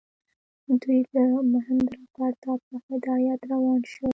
دوی د مهیندراپراتاپ په هدایت روان شوي.